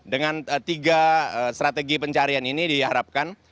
dengan tiga strategi pencarian ini diharapkan